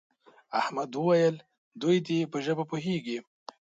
احمد وویل دوی دې په ژبه پوهېږي.